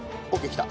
きた！